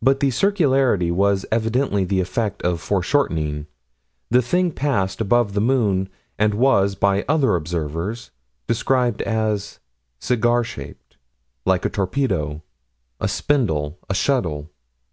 But the circularity was evidently the effect of foreshortening. The thing passed above the moon, and was, by other observers, described as "cigar shaped," "like a torpedo," "a spindle," "a shuttle."